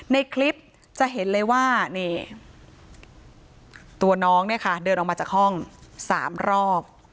ในคลิปจะเห็นเลยว่านี่ตัวน้องเนี่ยค่ะเดินออกมาจากห้อง๓รอบ